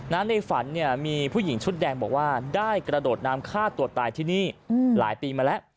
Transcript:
ในฝันเนี่ยมีผู้หญิงชุดแดงบอกว่าได้กระโดดน้ำฆ่าตัวตายที่นี่หลายปีมาแล้ว